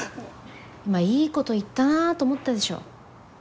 今いいこと言ったなと思ったでしょ。